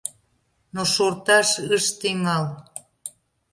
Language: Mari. Но шорташ ыш тӱҥал.